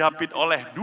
diapit oleh dua samudera